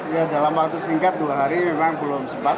ya dalam waktu singkat dua hari memang belum sempat